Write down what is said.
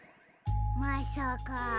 まさか。